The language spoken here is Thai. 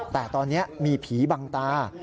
แต่ตอนนี้มีผีบังตา